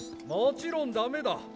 もちろんダメだ。